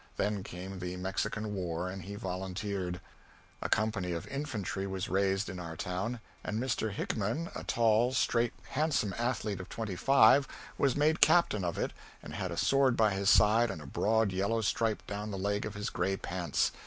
Then came the Mexican War and he volunteered. A company of infantry was raised in our town and Mr. Hickman, a tall, straight, handsome athlete of twenty five, was made captain of it and had a sword by his side and a broad yellow stripe down the leg of his gray pants.